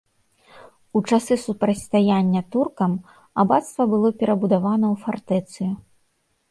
У часы супрацьстаяння туркам абацтва было перабудавана ў фартэцыю.